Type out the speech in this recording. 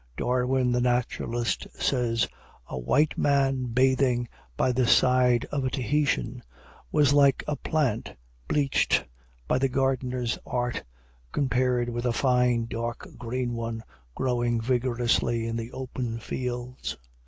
Darwin the naturalist says, "A white man bathing by the side of a Tahitian was like a plant bleached by the gardener's art, compared with a fine, dark green one, growing vigorously in the open fields."